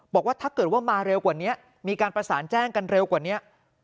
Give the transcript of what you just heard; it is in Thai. บอกว่าถ้าเกิดว่ามาเร็วกว่านี้มีการประสานแจ้งกันเร็วกว่านี้